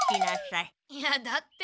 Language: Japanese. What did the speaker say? いやだって。